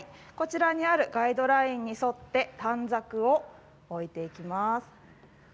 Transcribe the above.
ガイドラインに沿って短冊を置いていきます。